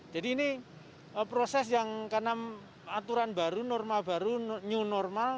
jadi ini proses yang karena aturan baru normal baru new normal